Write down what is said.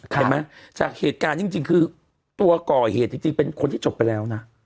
ใช่ไหมจากเหตุการณ์จริงจริงคือตัวก่อเหตุเช่นที่เป็นคนที่จบไปแล้วน่ะ